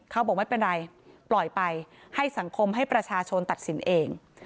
เขาบอกไม่เป็นไรปล่อยไปให้สังคมให้ประชาชนตัดสินเอง